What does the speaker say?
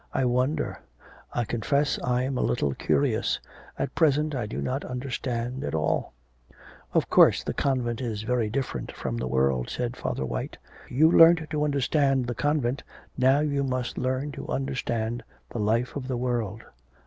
'I wonder. I confess I'm a little curious. At present I do not understand at all.' 'Of course the convent is very different from the world,' said Father White. 'You learnt to understand the convent, now you must learn to understand the life of the world.'